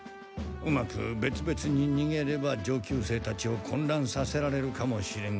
うまく別々ににげれば上級生たちを混乱させられるかもしれんがな。